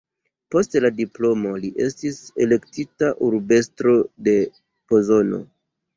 Post la diplomo li estis elektita urbestro de Pozono.